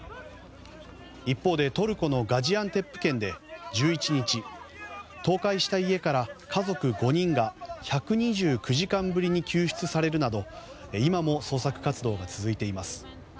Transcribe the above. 一方で、トルコのガジアンテップ県で、１１日倒壊した家から、家族５人が１２９時間ぶりに救出されるなど今も捜索活動が続いています。